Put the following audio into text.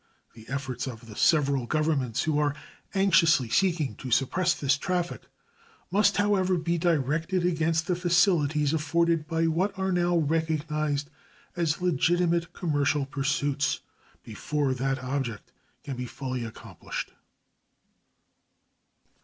The efforts of the several Governments who are anxiously seeking to suppress this traffic must, however, be directed against the facilities afforded by what are now recognized as legitimate commercial pursuits before that object can be fully accomplished.